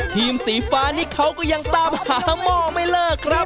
สีฟ้านี่เขาก็ยังตามหาหม้อไม่เลิกครับ